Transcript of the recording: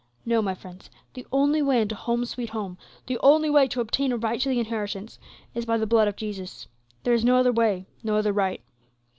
No, my friends, the only way into 'Home, sweet Home,' the only way to obtain a right to the inheritance, is by the blood of Jesus. There is no other way, no other right.